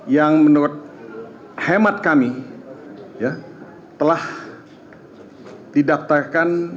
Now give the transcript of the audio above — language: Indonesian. yang menurut hemat kami telah didaftarkan